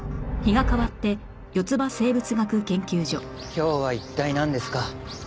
今日は一体なんですか？